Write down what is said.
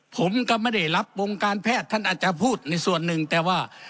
ผมก็ไม่ได้รับวงการแพทย์ท่านอาจจะพูดในส่วนหนึ่งแต่ว่า